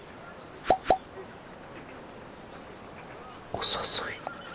お誘い。